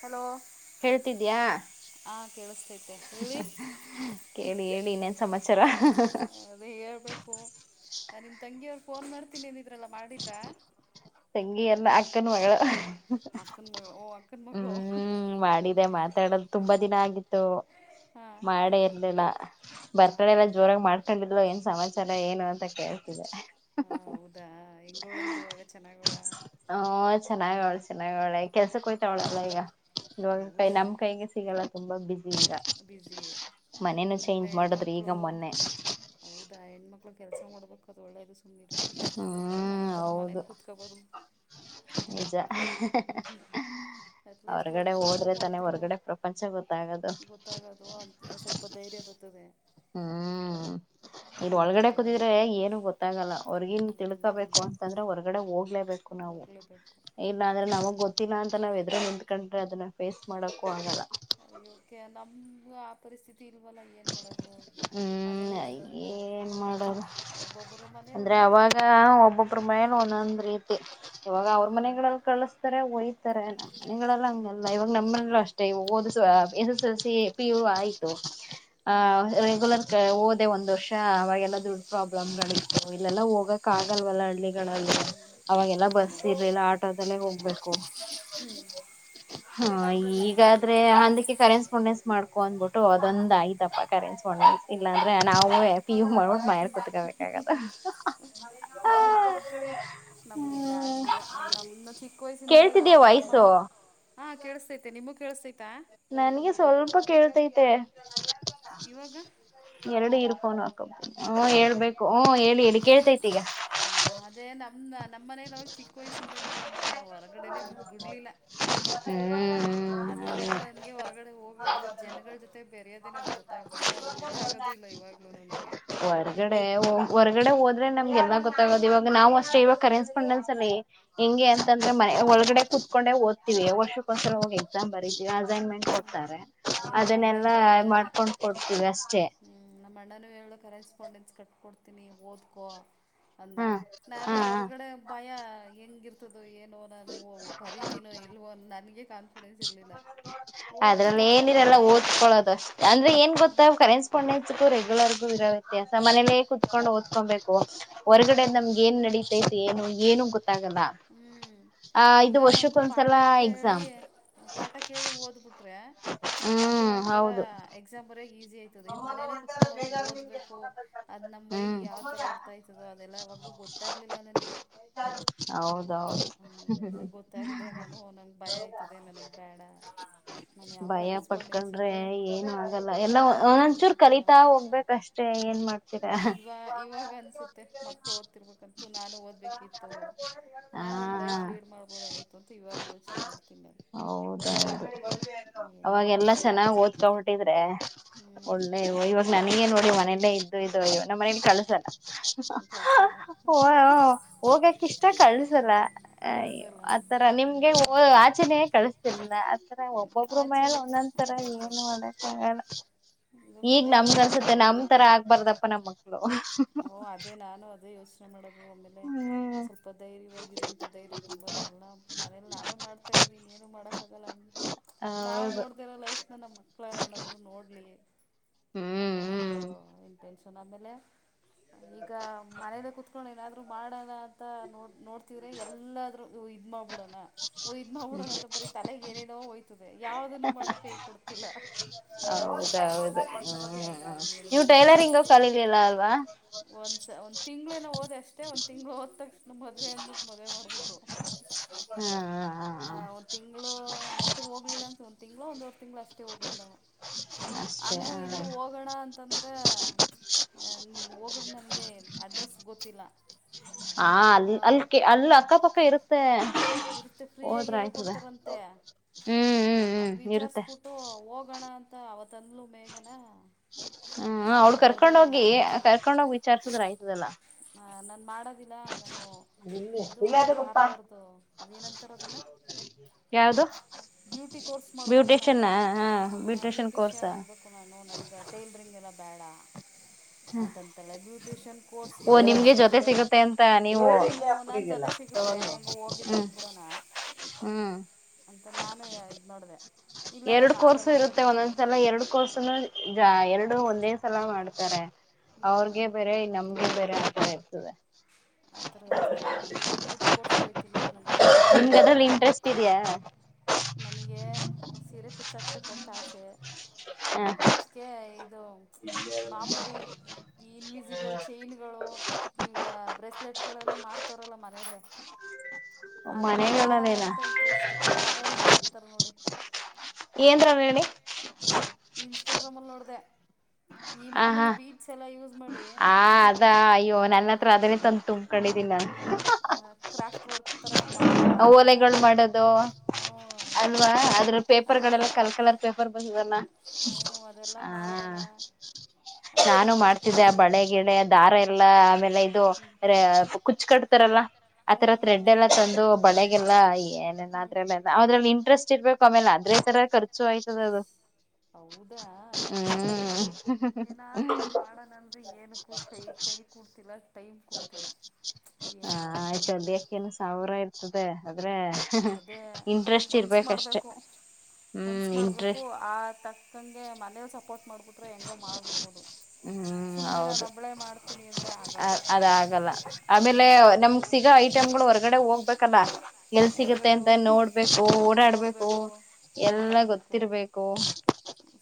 Hello ಕೇಳ್ತಿದ್ಯಾ ಹಾ ಕೇಳಿಸತೈತೆ ಹೇಳಿ ಕೇಳಿ ಹೇಳಿ ಇನ್ನೇನ್ ಸಮಾಚಾರ ಅದೇಳ್, ಲಿಕೋ ಆ ನಿನ್ ತಂಗಿಯವ್ರು ಫೋನ್ ಮಾಡ್ತೀನಿ ಅಂತಿದ್ರಲ್ಲ ಮಾಡಿದ್ರಾ. ಪಲ್ಲು ಅಲ್ಲಾ ಅಷ್ಟು. ತುಮ್ಮು ವೆ ಅಕ್ಕನ ಮಗಳು ಓ ಅಕ್ಕನ ಮಗಳು ಹ್ಮ್ ಮಾಡಿದೆ ಮಾತ ತೋಡಲ್ ತುಂಬಾ ದಿನ ಆಗಿತ್ತು. ಹಾಂ ಮಾಡೇ ಇರ್ಲಿಲ್ಲ ಬರ್ತಡೆ ಹಾಂ ಎಲ್ಲ ಜೋರಾಗಿ ಮಾಡ್ಕೊಂಡಿದ್ರು. ಸಮಾಚಾರ ಏನು ಅಂತ ಕೇಳ್ತಿದೆ. ಹ ಹೌದಾ ಹೆಂಗ ಅವಳಂತಿವಾಗ ಚೆನ್ನಾಗ್ ಅವಳ. ಹ ಚೆನ್ನಾಗಳೆ ಚೆನ್ನಾಗವ್ಳೆ ಕೆಲ್ಸಕ್ಕೆ ಕೆಲಸಕ್ಕೆ ಹೋಯ್ತಾವಳಲ್ಲ ಈಗ. ಇವಾಗ ಕೈ ನಮ್ ಕೈಗೆ ಸಿಗಲ್ಲ ತುಂಬಾ ಬಿಸಿ. ಈಗ ಬಿಸಿ ಮನೇನು ಇಲ್ಲ ಚೇಂಜ್ ಮಾಡದ್ರಿ ಹೆಣ್ಮಕ್ಳು ಈಗ ಮೊನ್ನೆ ಹೌದಾ ಹೆಣ್ಮ ಮಕ್ಕಳು ಕೆಲಸ ಮಾಡ್ಬೇಕು ಅದು ಒಳ್ಳೆದು ಸುಮ್ನಿರು ಹ್ಮ್ ನಮ್ಮಥರ ಹೌದು ಮನೇಲಿ ಕುೂತ್ಕೊಬಾರದು. ನಿಜ ಅಟ್ಲೀಸ್ಟ್ ಹೊರ್ಗಡೆ ವರ್ಕ್ ಹೋದ್ರೆ ತಾನೆ ಹೊರ್ಗಡೆ ಪ್ರಪಂಚ ಗೊತ್ತಾಗೋದು. ಗೊತ್ತಾಗದು ಅಂತ ಸ್ವಲ್ಪ ಧೈರ್ಯ ಬತ್ತದೆ. ಹ್ಮ್ ಇದು ಒಳಗಡೆ ಥರ ಕೂತಿದ್ರೆ ಏನು ಗೊತ್ತಾಗಲ್ಲ. ಹೊರ್ಗಿನ್ ತಿಳ್ಕೊಬೇಕು ಅಂತಂದ್ರೆ ಹೊರಗಡೆ ಹೋಗ್ಲೇಬೇಕು ನಾವು ಹೋಗ್ಲೇಬೇಕು ಇಲ್ಲಾಂದ್ರೆ ನಮಗ್ ಗೊತ್ತ ತ್ತಿನಾ ಅಂತ ಹೋದ್ರೆ ನಿಂತ್ಕೊಂಡು ಪೋಜುಮೆನ್ ಪೋಸ್ಟ್ ಮಾಡಕೂ ಆಗಲ್ಲ. ಇವಕ್ಕೆ ನಮ್ಗೆ ಆ ಪರಿಸ್ಥಿತಿ ಇಲ್ವಲ್ಲ ಏನ್ ಮಾಡೋದು. ಹ್ಮ್ ಮನೇಲಿ ಇರರ್ಬೇಕು ಏನ್ ಮಾಡೋದು ಒಬ್ಬೊಬ್ಬರು ಮನೆ ಅಂದ್ರೆ ಒಂದೊಂತರ. ಅವಾಗ ಒಬ್ಬೊಬ್ರ ಮನೇಲಿ ಒಂದೊಂದ್ ರೀತಿ ಇಗ ಅವ್ರು ಮನೆಗಳಲ್ಲಿ ಕಳುಸ್ತಾರೆ ಒಯ್ತಾರೆ ನಿಗಳಲ್ಲ ಹಂಗಲ್ಲ ಅವಾಗ ನಮ್ಮಲ್ಲೂ ಅಷ್ಟೇ ಓದುಸುವ ಹ್ಞೂ S S L C P U ಆಯ್ತು. ಹ್ಞೂ ಹ ರೆಗುಲರ್ ಪ್ರೋ ಓದ್ ಒಂದ್ ವರ್ಷ ಅವಾಗೆಲ್ಲಾ ದುಡುಕೊಂಡು ಬಂದು ಇಲ್ಲೆಲ್ಲಾ ಹೋಗಕ್ ಆಗಲ್ಲ ಹ್ಞೂ ವಲ್ಲ. ಅವಾಗೆಲ್ಲ ಬಸ್ ಹೋಗೋಕ್ಕಾಗಲ್ಲ ಇರ್ಲಿಲ್ಲ ಆಟೋದಲ್ಲೇ ಹೋಗ್ಬೇಕು. ಸೀರೆ ಹಾ ಈಗಾದ್ರೆ ಹಂದಕ್ಕೆ ಕರೆನ್ಸ್ ಪುಂಡೆನ್ಸ್ ಮಾಡ್ಕೊ ಅಂದ್ಬಿಟ್ಟು ಅದೊಂದ್ ಆಯ್ತು. ಪ್ಪ ಕರಿ ಸ್ವಾಮಿ ಉಪ್ಪು ಇಲ್ಲಾಂದ್ರೆ ನಾವು ನಿಮ್ ಮವುಗ್ ಮಾಡಬಟ್ಟ ಮಾಯಾರ್ ಕುೂತ್ಕೊಬೇಕಾಗದ ಹ್ಮ ಆಲ್ಲ ನಮ್ಮ್ ಚಿಕ್ಕ ವಯಸ್ಸಿಂದಲೇ ನಾವ್ ಅಪ್ಪ ಅಮ್ಮ ವಾಯ್ಸು ಹಾ ಕೇಳಿಸಸ್ತೈತೆ ನಿಮಗ್. ನನ್ಗೆ ಸ್ವಲ್ಪ ಕೇಳ್ತೈತೆ. ಇವಾಗ ಎರಡು ಹಿಡುಕೊಂಡು ಮಲ್ಕೊಂತೀನಿ ಅಕ್ಕಬ ಹ ಹೇಳ್ಬೇಕು ಹ ಹೇಳುಹೇಳು ಕೇಳ್ತೈತಿ ಈಗ ಹ್ಞೂ ಅದೇ ನಮ್ಮ ನಮ್ಮ ಮನೇಲಿ ಅವಾಗ ಚಿಕ್ಕ ವಯಸ್ಸಿಂದಲೇ ನನ್ನ ಹೊರಗಡೆನೆೇ ಬಿಡ್ಲಿಲ್ಲ. ಹ್ಮ್ಮ್ಮ್ಮ್ ನನ್ಗೆ ಹೊರಗಡೆ ಹೋಗೋದು ಜನಗಳ ಜೊತೆ ಬರೆಯೋದೇ ನನಗೆ ಗೊತ್ತಾಗಲಿಲ್ಲ ಗೊತ್ತಾಗೋದು ಇಲ್ಲ ಇವಾಗ್ಲೂ. ನನಗೆ ಹೊರ್ಗಡೆ ಹೊರ್ಗಡೆ ಹೋದ್ರೆ ನಮ್ಗೆಲ್ಲ ಗೊತ್ತಾಗದು. ಇವಾಗ ನಾವು ಅಷ್ಟೇ ಹೇಳು ಕರೆಸ್ಪಾಂಡೆನ್ಸ್ಡೇ ಲ್ಲಿ ಹೇಗೆ ಹ್ಞೂ ಅಂತಂದ್ರೆ ಒಳಗಡೆ ಕುತು ಚೆನ್ನಾಗಿ ಓದ್ತಿವಿ ವರ್ಷಕ್ಕೊಂದ್ಸಲ ಎಕ್ಸಾಮ್ ಬರಿತ್ತೀವಿ ಅದೇನು. ಹ್ಞೂ ಕೊಡ್ತಾರೆ ಅಯ್ಯೋ ನಮ್ಮ ಅಣ್ಣ ಅದನ್ನೆಲ್ಲಾ ಹೇಳ್ದ ಮಾಡ್ಕೊಂಡ್ ಕೊಡ್ತೀವಿ ಅಷ್ಟೇ. ಕೊಂಡೆನ್ಸ್ ಕಟ್ಕೊಡ್ತೀನಿ ಓದ್ಕೊ. ಅಂದ ಹಾ ನಾನು ಹಾ ಹ ಹೊರಗಡೆ ಭಯ ಹೆಂಗಿರ್ತದೋ ನೋಡೋನ್ ಬರೀತೀನೋ ಇಲ್ವೋ ನನ್ಗೆ ಕಾನ್ಫಿಡೆನ್ಸ್ ಇರ್ಲಿಲ್ಲ. ಅದ್ರಲ್ಲಿ ಏನಿರಲ್ಲ ಓದ್ಕೊಳ್ಳೋದು ಅಷ್ಟೇ ಏನ್ ಗೊತ್ತ ಕರೆನ್ಸಿಪಾಂಡೆನ್ಸ್ ರೆಗ್ಯುಲರ್ಗು ಇರೋ. ‌ ಕೆಲಸ ಮನೇಲೇ ಕುತ್ಕೊಂಡು ಓದ್ಕೊಬೇಕು ಹೊರರ್ಗಡೆ ಹ್ಞೂ ನಮ್ಗೆ ಏನ್ ನಡೀತೈತಿ ಎನು ಏನು ಗೊತ್ತ. ತಾಗಲ್ಲ, ಹ್ಮ್ ಆ ಇದು ಈಗ ಒಂದು ವರ್ಷಕ್ಕೊಂದ್ಸಲ ಪಾಠ ಎಕ್ಸಾಮ್. ಕೇಳಿ ಪಾಠ ಕೇಳಿ ಓದ್ಬಿಟ್ರೆ ಅದು ಹ್ಮ್ ಒಂಥರ ಹೌದು ಎಕ್ಸಾಂ ಬರಿಯೋಕೆ ಈ ತಿ ಆಯ್ತದೆ ಇ ಮನೇಲ್ಲೇ ಕುೂತ್ಕೊಂಡ್ ಓದಬೇಕು ಅ ನಮ್ ಹ್ಮ್ ಮೈಂಡ್ಗೆ ಯಾವ ತರ ಅರ್ಥ ಆಯತದ ಅದೆಲ್ಲ. ಗೊತ್ತಾಗ್ಲಿಲ್ಲ ನನಗೆ ಹೌದೌದು. ಹ್ಮ ಗೊತ್ತಾಗದೆ ನಾನು ನಂಗೆ ಭಯ ಆಯ್ತದೆ ನನಗೆ ಬೇಡ ನಾನು ಯಾವ ಭಯ ಕರೆಸ್ಪಾಂಡೆನ್ಸ್ ಪಡ್ಕೊಂಡ್ರೆ. ಏನು ಆಗಲ್ಲ ಎಲ್ಲ ಕಟ್ಟಲ್ಲ ಒನೊಂದ್ಚೂರು ಕಲಿತಾ ಹೋಗ್ಬೇಕ ಅಷ್ಟೇ ಏನ್ ಮಾಡ್ತ ಹ್ಮ ಇವ ಇವಾಗ ಅನ್ಸುತ್ತೆ ಮಕ್ಳು ಓದ್ತಿರ್ಬೇಕಂತೂ ನಾನು ಓದ್ಬೇಕಿತ್ತು. ನಾನು ಒಂದು ಲೈಫ್ ಹಾ ಲೀಡ್ ಮಾಡ್ಬೋದಾಗಿತ್ತುಂತ ಇವಾಗ ಯೋಚನೆ ಮಾಡ್ತೀನಿ ನಾನು. ಹೌದೌದು ಏನು ಅವಾಗ ಮಾಡೋದು ಎಲ್ಲಾ ಚೆನ್ನಾಗ್ ಓದ್ಕಬಿಟ್ಟಿದ್ರೆ. ಒಳ್ಳೆ ಇ ಹ್ಞೂ ಇವಾಗ ನನಗ ಏ ನೋಡ್ಲಿ ಮನೆಯಲ್ಲೇ ಇದ್ದು ಇದೋಯೋ ನಮ್ಮನೇಲಿ ಕಳಸಲ್ಲ. ಕಳಿಸಲ್ಲ ಹೋಗಕ ಇಷ್ಟ ಕಳ್ಸಲ್ಲ ಅಯ ಕಳಿಸಲ್ಲ ಆ ತರ ನಿಮ್ಗೆ ಆಚನೆಯೇ ಕಳಿಸ್ತಿರ್ಲಿಲ್ಲ. ಒಬ್ಬೊಬ್ರ್ ಮೇಲೆ ಆಚೆನೇ ಒಂದೊಂದ್ ತರ ಅದೇ ಏನು ತಾನೆ ಮಡಕ್ ಅಗಲ. ಇವಾಗ ಈಗ್ ಮನೇಲಿ ನಮ್ದ ಅನ್ಸತ್ತೆ ಏನಾದರೂ ನಮ್ ತರ ಆಗ್ಬಾರ್ದಪ್ಪ ನಮ್ ಮಕ್ಳು. ಓಹ ಅದೇ ನಾನು ಅದೇ ಯೋಚನೆ ಮಾಡದು. ಹ್ಮ್ ಸ್ವಲ್ಪ ಧೈರ್ಯವಾಗಿರಿ ಅಂತ ಧೈರ್ಯ ತುಂಬದ ಎಲ್ಲ ಮನಲಿ ನಾವೇ ಮಾಡ್ತಾ ಇರೋದು ಇನ್ೇಏನು ಮಾಡಕಕ್ಕಾಗಲ್ಲ ಅ [inaudible] ನಾವ್ ನೋಡ್ದರ ಲೈಫ್ ನ ನಮ್ಮ್ ಮಕ್ಳ ಅನ್ನಾದ್ರು ನೋಡ್ಲಿ ಹ್ಮ್ ಅನ್ನೋ ಒಂದು ಹ್ಮ್ ಇನ್ಟೆನ್ಷನ್ ಆಮೇಲೆ. ಈಗ ಮನೇಲ್ಲ ಕುೂತ್ಕೊಂಡು ಏನಾದ್ರು ಮಾಡಲ್ಲ ನೋ ನೋಡ್ತವ್ರೆ ಎಲ್ಲಾದ್ರೂ ಇದ್ ಮಾಡಬಿಡೋಣ ಇದ್ ಮಾಡ್ಬಿಡಣ ಅಂತ ಬರರಿ ತಲೆಗೆ ಏನಡಯ್ತ. ಯಾವ್ದನ್ನು ಮಾಡ ಕೈ ಕೊಡ್ತಿಲ್ಲ. ಹೌದೌದು ಹ ನೀವು ಟೈಲರಿಂಗ್ ಕಲಿದಲ್ಲ ಅಲ್ವಾ. ಒಂದ್ಸ ಒಂದ ತಿ್ಗಳ ಹೋದೆ ಅಷ್ಟೇ ಒಂದ ತಿಂಗ್ಳ ಹೋದ ತಕ್ಷಣ ಮದ್ವೆ ಅಂದನ್ಬಿಟ್ಟು ಮದ್ವೆ ಮಾಡ್ಬಿಟ್ರು. ಹಾ ಹ ಹ ಹ. ನೆಟ್ಟ ಹೋಗ್ಲಿಲ್ಲ ಅನ್ ಒಂದ ತಿಂಗಳು ಒಂದ್ವರ್ ತಿಂಗ್ಗಳು ಅಷ್ಟೇ ಹೋಗಿದ್ದ್ ನಾನು. ಅಷ್ಟೇ ಹಂಗು ಹ ಇಲ್ಲೂ ಹೋಗೋಣ ಅಂತಂದ್ರೆ. ಹೋಗಕ್ಕೆ ನನಗೆ ಅಡ್ರೆಸ್ ಗೊತ್ತಿಲ್ಲಸ. ಹಾ ಅ ಅಲ್ಲಿ ಅಲ್ಲಿ ಅಕ್ಕಪಕ್ಕ ಇರುತ್ತೆ. ಹದ್ರ ಆಯ್ತದೆ. ಅದ್ ವಿಚಾರಸ್ಬಿಟ್ಟು ಹೋಗೋಣ ಅಂತ ಅವತ್ನ್ಲು ಮೇಘನಾ. ಹ್ಮ್ ಅವ್ಳ ಕರ್ಕೊಂಡ್ ಹೋಗಿ ಕರ್ಕೊಂಡೋಗಿ ವಿಚಾರ್ಸುದ್ರ ಆಯ್ತದಲ್ಲಾ. ಹ ನನ್ ಮಾಡ ದಿಲ್ಲ ನಾನ ಅದು ಪಾರ್ಲರ್ದು ಅದೇಏನಂತಾರದನ್ನ. ಯಾವ್ದು. ಬ್ಯೂಟಿ ಕೋರ್ಸ್ ಮಾಡ್ಬೇಕು ನಾನು ಬ್ಯೂಟಿಷಿಯನ್ ಹ ಬ್ಯೂಟಿಷಿಯನ್ ಆಗ್ಬೇಕು ನಾನು ನ ಟೇಲರಿಂಗ್ ಎಲ್ಲ ಬೇಡ ಅಂತಂತಲ್ಲ ಬ್ಯೂಟಿಷನ್ ಸ್ರ್ಸ್ಗೆ ಓ ಒಂದ್ ಲಕ್ಷ ನಿಮ್ಗೆ ಜೊತೆ ಇಲ್ದೆ ಸಿಗುತ್ತೆ ಅಂತ ನೀವು ಹ್ಮ ನನ್ ಜೊತೆ ಸಿಗುತ್ತೆ ಹೆಂಗ ಹೋಗಿದ್ ಹ್ಮ್ ಬಂದ್ಬಿಡೋಣ. ಹ್ಮ್ ಅಂತ ನಾನು ಇದ ನೋಡ್ದೆ. ಎರಡು ಕೋರ್ಸು ಇರುತ್ತೆ ಒಂದೊಂದ್ಸಲ ಎರಡು ಕೋರ್ಸ್ ಜ ಎರಡು ಒಂದೇ ಸಲ ಮಾಡ್ತಾರೆ ಅವ್ರಗೆ ಹ್ಞೂ ಬೇರೆ ನಮ್ಗೆ ಬೇರೆ ಇರ್ತದೆ. ಆಥರ ಇರ್ತದೆ ಅವ ಬ್ಯೂಟಿ ಬ್ಯೂಟಿ ಕೋರ್ಸ್ಗೆ ಹೋಯ್ತೀನಿ ನನಗ್ ಬೇಡ ನಿಮ್ಗ ಟೈಲರಿಂಗ್ ಬೇಡ. ಅದ್ರಲ್ಲಿ ಇಂಟ್ರೆಸ್ಟ್ ಇದೆಯಾ ನನಗೆ ಸೀರೆ ಕುಚ್ಚಾಕ್ತಕ್ಕಂತ ಆಸೆ. ಹ ಇತ್ತೀಚಿಗೆ ಇದು ಮಾಮೂಲಿ ಈ ಇನ್ವಿಸಿಬಲ್ ಚೈನ್ ಗಳು ಈ ಬ್ರೆಸ್ ಗಳೆಲ್ಲ ಮಾಡ್ತವಾರಲ್ಲ ಮನೆಯಲ್ಲೇ ಅದೆಲ್ಲ ಮಾಡೋಣ ಮನೆಗಳಲ್ಲೇನಾ ಅಂತ ಇಂಟ್ರೆಸ್ಟ್ ಹ ಮನೇಲ್ಲೇ ಮಾಡ್ತಾರ ನೋಡಿ. ಏನ್ರ ಹೇಳಿ. ಇನ್ಸ್ಟಾಗ್ರಾಮಲ್ಲಿ ನೋಡ್ದೆ. ಹ ಹಾ ಮಾಡಿ ಹ ಅದಾ ಅಯ್ಯೋ ನನ್ನತ್ರ ಅದನೇ ತ ತುಮ ಕಡೆ ದಿನ್ ನ ಅ ಕ್ರಾಫ್ಟ ವರ್ಕ್ತ [unintelligible] ಅ ಓಲೆಗಳ್ ಮಾಡೋದು ಹ್ಞೂ ಅಲ್ವಾ ಅದು ಅದ್ರ ಅದೇ ಪೇಪರ್ಗಳೆಲ್ಲ ಕಲ್ ಕಲರ್ ಪೇಪರ್ ಬಂದ್ ಹುನಾ ಹ್ಞೂ ಅದೆಲ್ಲ ಹಾ ಮಾಡೋಣ ಅಂತ ನಾನು ಇಂಟ್ರೆಸ್ಟ್ ಮಾಡ್ತಿದ್ದೆ ಆ ಬರ್ತದೆ ಈಗ ಬಳೆ ಗಿಳೆ ದಾರ ಎಲ್ಲಾ ಆಮೇಲೆ ಇದು ರೆ ಕುಚ್ಕಟ್ ತರಲ್ಲ ಆತರ ಥ್ರೆಡ್ ಹ್ಮ್ ಹ್ಮ್ ಎಲ್ಲ ತಂದು. ಬಳೆಗೆಲ್ಲ ಏನಲ್ಲ ಹ್ಮ್ ಅದ್ರಲ್ಲ ಅದ್ರಲ್ಲಿ ಇಂಟ್ರೆಸ್ಟ್ ಇರ್ಬೇಕ್. ಕಮೇಲ್ ಅದ್ರೇ ತರ ಖರ್ಚು ಆಯ್ತದ್ ಅದು. ಹೌದಾ ಹ್ಮ್ ಏನಾದ್ರೂ ಒಂದ್ ಮಾಡನ ಅಂದ್ರೆ ಏನೂ ಕೈ ಕೈ ಕೂಡ್ತಿಲ್ಲ. ಹ ಮಾಡೋದು ಆಯ್ ದಕೆನು ಸಾವ್ರ ಇರ್ತದೆ. ಆದ್ರೆ ಅದೇ ಇಂಟ್ರೆಸ್ಟ್ ಇರ್ಬೇಕಷ್ಟೇ. ಮನ್ಸ ಮಾಡ್ಬೇಕು ಆ ತಕ್ಕಂಗೆ ಮನೆಲ್ ಸಪೋರ್ಟ್ ಮಾಡ್ಬೇಕು. ಬುಟ್ರೆ ಹೆಂಗೋ ಮಾಡ್ಬಿಡ್ಬೋದು. ಹ್ಮ ಹೌದು ಅದಾಗಲ್ಲ ಆಮೇಲೆ ನಮ್ಗೆ ಸಿಗ ಐಟಮ್ಗಳು ಹೊರ್ಗಡೆ ಒ ಹೋಗ್ಬೇಕಲ್ಲ ಎಲ್ ಸಿಗತ್ತೆ ಹೊರ್ಗಡೆ ಅಂತ ಹೋಗಿ ನೋಡ್ಬೇಕು ಓಡಾಡ್ಬೇಕು. ನೋಡಬೇಕು ಎಲ್ಲ ಗೊತ್ತಿರ್ಬೇಕು.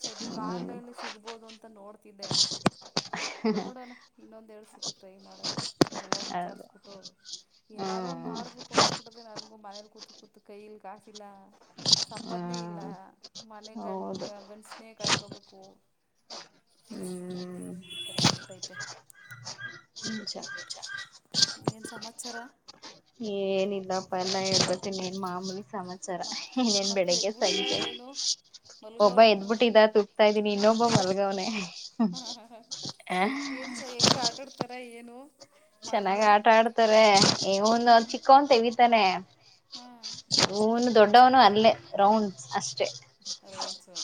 ಸದ್ಯಕ್ ಹ್ಮ್ ಆನ್ಲೈನಲ್ಲಿ ಸಿಗ್ಬೋದು ಅಂತ ನೋಡ್ತಿದ್ದೆ. ನೋಡಣ ಇನ್ನೊಂದ್ ಎಳ್ಸತಿ ಟ್ರೈ ಮಾಡೋಣ ಎಲ್ಲ ಅದು ವಿಚಾರ್ಸ್ಬಿಟ್ಟು. ಏನಾರು ಒಂದ್ ಹ್ಮ್ ಮಾಡ್ಬೇಕು ಅನ್ಸ್ಬಿಟ್ಟದ ನನ್ಗೂ ಮನೇಲಿ ಕೂತು ಕೂತು ಕೈಯಲ್ ಕಾಸಿಲ್ಲಾ. ಸಂಪಾದ್ನೆ ಇಲ್ಲ ಹ್ಮ್ ಮನೆ ಗಂಡ್ ಹೌದು ಗಂಡ್ಸ್ನೇ ಕಾಯ್ ಬೇಕು ಹ್ಮ್ ಥರ ಆಗ್ಬುಟೈತೆ. ನಿಜ ಏನ್ ಸಮಾಚಾರ. ಏನಿಲ್ಲಪ್ಪ ಚಾರ ಮಕ್ ಇನೇನ್ ಮಕ್ಳು ಬೆಳಿಗ್ಗೆ ಎದ್ಬಿಟ್ರ ಸಂಜೆ ಏನು ಒಬ್ಬ ಮಲ್ಗವ್ರ ಇನ್ನೂ ಎದ್ಬಿಟ್ಟಿದ ತುಗ್ತಾ ಇದ್ದೀನಿ ಇನ್ನೊಬ್ಬ. ಮಲ್ಗೌನೆ. ಹ್ಮ್ ಹ ಹ ಏನ್ಸ ಹೆಂಗ್ ಆಟಾಡ್ತಾರ ಏನು. ಚೆನ್ನಾಗ ಮಕ್ಕಳು ಆಟ ಆಡ್ತಾರೆ ಇವ್ನು ಚಿಕ್ವ್ನು ತೆಗಿತಾನೆ. ಹಾಂ ಇವ್ನ್ ದೊಡ್ಡವ್ನು ಅಲ್ಲೇ ರೌಂಡ್ ಅಷ್ ರೌಂಡ್ಸು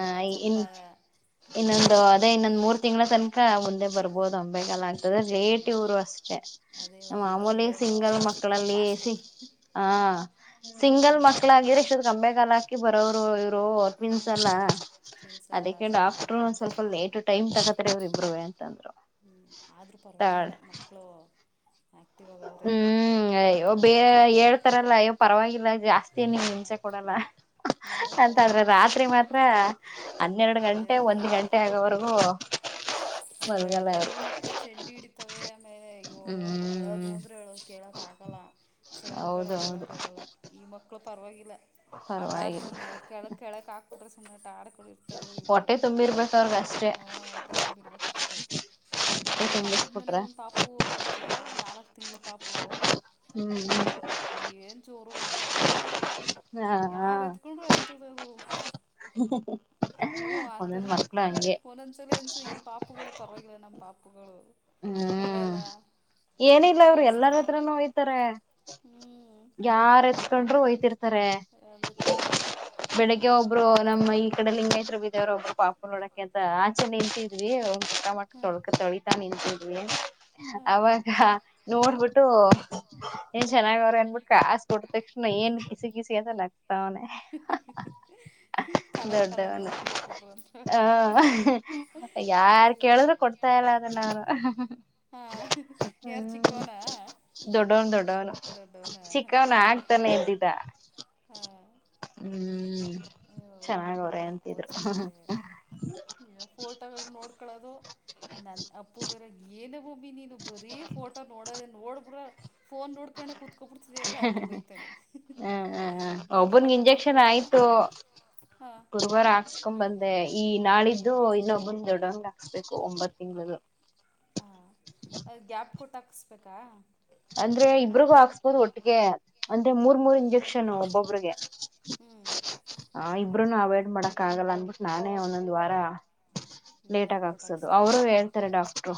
ಏ ನಂದ್ ಸ್ವಲ್ಪ. ಇನ್ ಇನ್ನೊಂದು ಲೇಟ್ ಅವನು ಅದೇ ಇನ್ನೊಂದ್ ಮೂರ್ ತಿಂಗ್ಳ ತನ್ಕ ಮುಂದೆ ಬರ್ಬೋದು ಅಂಬೆ ಕಾಲ ಆಗದ್ರೆ ರೆ ಹ್ಞೂ ಟಿವ್ರು ಅಷ್ಟೇ ಅದೇ ಒಂದು ದೊಡ್ಡವನು ಮಾಮೂಲಿ ಲೇಟು ಸಿಂಗಲ್ ಚಿಕ್ಕವನು ಮಕ್ಳಲ್ಲಿ ಫಾಸ್ಟು ಸಿ ಹ ಹ್ಞೂ ಸಿಂಗಲ್ ಮಕ್ಳಾಗಿದ್ರೆ ಇಷ್ಟೋತಿಗೆ ಅಂಬೆಗಾಲ್ ಹಾಕಿ ಬರೋವ್ರು. ರೊ ಹ್ಞೂ ಅತ್ವಿನ್ಸಲ್ಲಾ. ಟ್ವಿನ್ಸ್ ಅಲ್ವಾ ಅದಿಕ್ಕೆ ಸ್ವಲ್ಪ ಡಾಕ್ಟ್ರು ಒಂದ್ ಸ್ವಲ್ಪ ಲೇಟ ಟೈಮ್ ತಗತ್ ಇವ್ರು ಇಬರು ಅಂತಂದ್ರು. ಹೋಗಿಲ್ಲ ಮಕ್ಳು. ಹ್ಮ್ ಹ್ಮ್ ಅಯ್ಯೋ ಹ್ಞೂ ಬೇರೆ ಹೇಳ್ತಾರಲ್ಲ ಅಯ್ಯೋ ಪರ್ವಾಗಿಲ್ಲ ಜಾಸ್ತಿ ನೀಮ್ ಹಿಂಸೆ ಕೊಡಲ್ಲ. ಹ್ಞೂ ಅಂತಾದ್ರೆ ರಾತ್ರಿ ಮಾತ್ರ. ಹನ್ನೆರ್ಡ್ ಅದೇ ಗಂಟೆ ಒಂದ್ ಗಂಟೆ ಆಗೂವರ್ಗು. ಕೆಳ್ ಕೆಲ್ವ್ ಮಕ್ಳು ಚೆಂಡಿ ಹಿಡಿತವೆ ಆಮೇಲೆ. ಯೊ ಅಳೋದು ಹ್ಮ್ ಅಂದ್ರೆ ಅ ಕೇಳಕ್ ಆಗಲ್ಲ ಸೌಂಡ್ಗಳ ಹೌದೌದು ಕೇಳಕ್ ಆಗಲ್ಲ ಈ ಮಕ್ಳ. ಪರ್ವಾಗಿಲ್ಲ ಆಟ ಪರವಾಗಿಲ್ಲ ಆಡ್ತವೇ ಕೆಳಕ್ ಹಾಕ್ಬಿಟ್ರೆ ಸುಮ್ನೆ ಟ. ಇರ್ತರ್ ಇವ್ರ್ ಇಬ್ರು ಹೊಟ್ಟೆ ತುಂಬಿರ್ಬೇಕ ಅವ್ರಗ ಅಷ್ಟೇ ಹೊ ಹೊಟ್ಟೆ ತುಂಬಿರ್ಬೇಕಷ್ಟೆ. ಹೊಟ್ಟೆ ಇಲ್ ಪಕ್ಕದ್ ಮನೆಲ್ ತುಂಬಿಸ್ಬಿಟ್ರೆ ಒಂದ್ ಪಾಪು ಐತೆ ಒಂದ್ ನಾಲ್ಕ್ ತಿಂಗ್ಳ ಪಾಪು. ಏನ್ ಜೋರು ಗೊತ್ತ ಅದು. ಹಾ ಯಾರ್ ಎತ್ಕೊಂಡ್ರು ಹಳ್ತದದು. ಹಃ ಹಃ ಹ ಹು ಆತರ ಒಂದೊಂದ್ಸಲ ಅನ್ಸು ಈ ಪಾಪುಗಳೇ ಪರ್ವಾಗಿಲ್ಲ ನಮ್ಮ್ ಪಾಪುಗಳು. ಹ್ಮ್ ಹೇಳಲ್ಲ ಏನಿಲ್ಲ ಅವ್ರ್ ಎಲ್ಲಾರ್ ಅನಿಸ್ತದೆ ಹತ್ರನು ಹೊಯ್ತರೆ. ಹ್ಞೂ ಯಾರ್ ಎತ್ಕೊಂಡ್ರು ಓಯ್ಯ್ತಿರ್ತಾರೆ ಅದೇ ತಾನೆ ಬೆಳಿಗ್ಗೆ ಒಬ್ರು ನಮ್ಮ ಈ ಕಡೆ ಲಿಂಗಾಯತ್ತ್ರ ಬೀವರ ಒಬ್ಬರು ಪಾಪ ನೋಡಕೆ ಅಂತ ಆಚರಣೆ ನಿಂತಿದ್ವಿ ಹಾಂ ತೊಳಕ ತಳಿತಾನಿಂತಿದ್ವಿ ಹಾಂ ಅವಾಗ ಹಾಂ ನೋಡ್ಬಿಟ್ಟು ಏನ್ ಹಾಂ ಚೆನ್ನಾಗ್ರ ಅನ್ಬಿಟ್ಟು ಕಾಸ್ ಕೊಟ್ಟ ತಕ್ಷಣ ಏನು ಕಿಸಿಕಿಸಿ ಕಲರ್ ದೊಡ್ಡ ಕಲರ್ ಒನ ನೋಟ್ ಕೊಟ್ಬಿಟ್ರು ಅಂತ ಹ. ಯಾರ್ ಕೇಳಿದ್ರು ಕೊಡ್ತಾ ಇಲ್ಲ ಅದ ನಾನು. ಹಾ ಯಾರ್ ಹ್ಮ್ ಚ್ಚಿಕ್ಕೂನ. ದೊಡ್ಡವನು ಚಿಕ್ಕವನು ಆಗ್ತಾನೆ ಎದ್ದಿದ್ದ ಹಾಂ ಹ್ಮ್. ಅಯ್ಯೋ ಚೆನ್ನಾಗ ಮಕ್ಕಳು ಅವ್ರ ನೋಡ್ಬೇಕು ಅಂತಿದ್ರು. ಅನ್ಸ್ಬಿಟ್ಟದೆ ಫೋಟೋಗಳು ನೋಡ್ಕೊಳೋದು ಅಂದ ಅಪ್ಪು ಬೇರ ಏನ ನೀನು ಬರೀ ಫೋಟೋ ನೋಡದ ನೋಡಬಡ ಫೋನ್ ನೋಡ್ಕೊಂಡೆ ಕುತ್ಕೋಬ ಬಿಡ್ತದೆಲ್ಲ ಅಂತ ಬೈತಾನೆ. ಹ ಒಬ್ಬನ್ಗೆ ಫೋಟೋ ನೋಡ್ಕ ಇಂಜೆಕ್ಷನ್ ಆಯ್ತು. ಹಾಂ ಓ ಗುರ್ವರ ಹಾಕ್ಸ್ಕೊಂಡ್ ಬಂದೆ ಈ ನಾಳಿದ್ದ ಇದು ಇನ್ನೊಬಂದ ದೊಡ್ಡಂಗ್ ಹಾಕ್ಸ್ಬೇಕು ಒಂಬತ್ ತಿಂಗಳುದು. ಹ ಗ್ಯಾಪ್ ಕೊಟ್ಟ ಹಾಕಸ್ಬೇಕಾ. ಅಂದ್ರೆ ಇಬ್ರಿಗೂ ಹಾಕ್ಸ್ಬೋದು ಒಟ್ಟಿಗೆ ಅಂದ್ರೆ ಮೂರ್ ಮೂರ್ ಇಂಜೆಕ್ಷನ್ ಒಬ್ಬೊಬ್ರಿಗೆ. ಹ್ಮ್ ಮಾಡಕ ಆಗಲ್ಲ ಅನ್ಬಿಟ್ಟು ನಾನೇ ಒಂದೊಂದ್ ವಾರ ಹ್ಞೂ ಲೇಟಗ್ ಗ್ಯಾಪ್ ಕೊಟ್ಟು ಹಾಕ್ಸೋದು ಅವರು ಹಾಕ್ಸ್ತಿರೋದು ಹೇಳ್ತಾರೆ ಡಾಕ್ಟ್ರು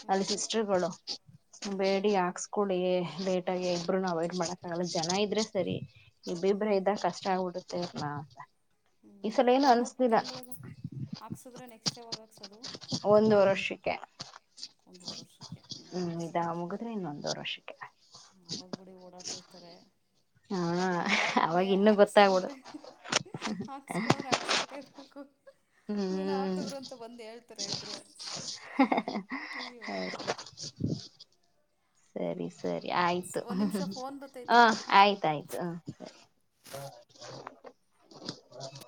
ಹ್ಞೂ ಅಲ್ಲಿ ಸಿಸ್ಟರ್ಗಳು. ಹ್ಞೂ ಬೇಡಿ ಹಕ್ಸ್ಕೊಳಿ. ಲೇಟ್ ಆಗಿ ಇಬರು ಅವಾಯ್ಡ್ ಮಾಡಕ್ಕಂಗಲ್ಲ ಜನ ಇದ್ರೆ ಸರಿ ಹ್ಞೂ ಇಬ್ಬಿಬ್ರ ಇದ್ದ ಕಷ್ಟ ಆಗ್ಬಿಡುತ್ತೆ. ಸೇ ನಾ ಹ್ಮ್ ಇವಾಗ ಒಂಬತ್ತು ತಿಂಗಳ ಹಾಕ್ಸುದ್ರೆ ನೆಕ್ಸ್ಟ್ ಯಾವಾಗ ಹಾಕ್ಸೋದು ಒಂದುವರೊಶಕ್ಕೆ. ಒಂದುವರೊಷಕ್ಕೆ ಸರಿ ಸರಿ. ಮುಗಿದ್ರೆ ಇನ್ನೊಂದೂವರೆ ವರ್ಷಕ್ಕೆ ಅವಾಗ ಬಿುಡಿ ಓಡಾಡ್ತಿರ್ತಾರೆ. ಹಾ ಅವಾಗ ಬಾಮಗನೆ ಇನ್ನು ಗೊತ್ತಾಗ್ಬಿಡು ಹಾಕ್ಸ್ಕೊಡ್ರೆ ಹಾಕ್ಸ್ಕೊಡ್ರೆ ಹಾಕ್ಸ್ಕೊತ ಇಬೇಕಕು. ಏನ ಹ್ಮ್ ಹಾಕದ್ರು ಅಂತ ಬಂದ ಹೇಳ್ತಾರೆ ಇಬ್ಬರು. [inaudible] ಸರಿ ಸರಿ ಆಯ್ತು ಒಂದ್ ನಿಮಿಷ ಫೋನ್ ಹ ಬತ್ತೈತೆ ಆಯ್ತ ಆಯ್ತು ಹ ಸರಿ. [inaudible]